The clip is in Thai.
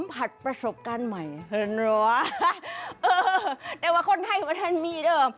สัมผัสประสบการณ์ใหม่เห็นหรอเออแต่ว่าคนไทยมันแท่นมีเด้อ